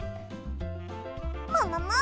ももも！